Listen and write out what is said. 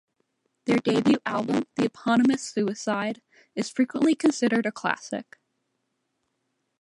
Their debut album, the eponymous Suicide, is frequently considered a classic.